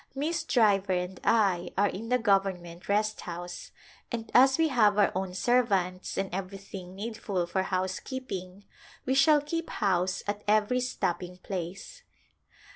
Miss Driver and I are in the Government Rest House, and as we have our own servants and every thing needful for housekeeping we shall keep house at every stopping place.